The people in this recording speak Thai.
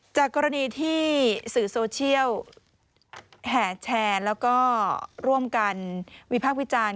จากกรณีที่สื่อโซเชียลแห่แชร์แล้วก็ร่วมกันวิพากษ์วิจารณ์